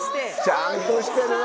ちゃんとしてるわ。